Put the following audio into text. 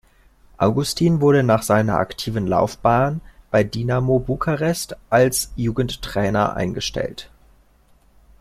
Augustin wurde nach seiner aktiven Laufbahn bei Dinamo Bukarest als Jugendtrainer eingestellt.